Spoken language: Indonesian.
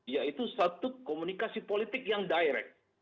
yaitu satu komunikasi politik yang direct